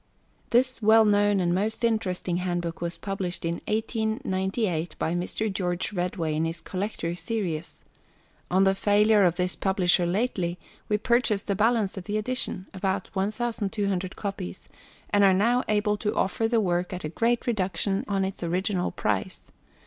This well known and most interesting handbook was published in 1898 by Mr. George Redway in his Collector Series. On the failure of this publisher lately, we purchased the balance of the edition about 1,200 copies and are now able to offer the work at a great reduction on its original price.